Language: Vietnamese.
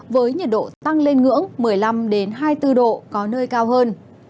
với nhiệt độ tăng lên ngưỡng một mươi năm hai mươi bốn độ có nơi cao hơn